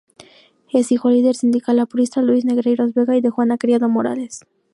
Es hijo del líder sindical aprista, Luis Negreiros Vega, y de Juana Criado Morales.